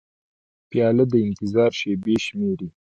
پیاله د انتظار شېبې شمېري.